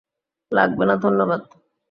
লাগবেনা, ধন্যবাদ।